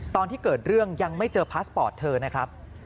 ตอนที่เกิดเรื่องยังไม่เจอพาสปอร์ตเธอนะครับ